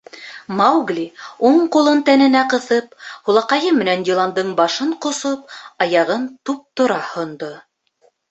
Маугли, уң ҡулын тәненә ҡыҫып, һулаҡайы менән йыландың башын ҡосоп, аяғын туп-тура һондо.